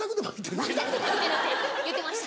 言ってました。